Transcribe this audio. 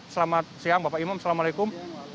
selamat siang bapak imam assalamualaikum